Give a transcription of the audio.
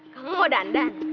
kamu mau dandan